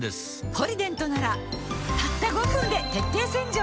「ポリデント」ならたった５分で徹底洗浄